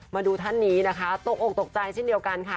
มาดูท่านนี้นะคะตกอกตกใจเช่นเดียวกันค่ะ